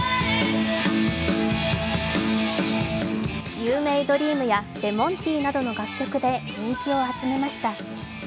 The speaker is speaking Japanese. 「ユー・メイ・ドリーム」や「レモンティー」などの楽曲で人気を集めました。